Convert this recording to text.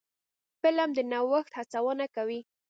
فلم د نوښت هڅونه کوي